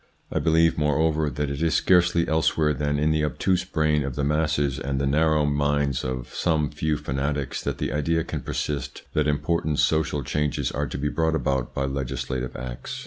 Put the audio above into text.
I believe, moreover, that it is scarcely elsewhere than in the obtuse brain of the masses and the narrow minds of some few fanatics that the idea can persist that important social changes are to be brought about by legislative acts.